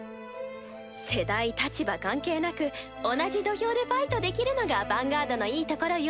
世代立場関係なく同じ土俵でファイトできるのがヴァンガードのいいところよ。